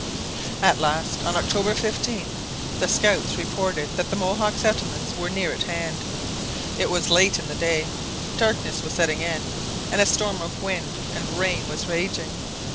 At last, on October 15, the scouts reported that the Mohawk settlements were near at hand. It was late in the day, darkness was setting in, and a storm of wind and rain was raging.